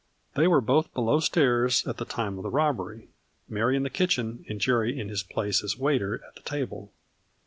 They were both below stairs at the time of the robbery. Mary in the kitchen and Jerry in his place as waiter at the table.